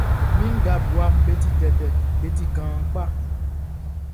Mi ngbabuaʼm be ti tɛtɛ, be ti kaan kpa.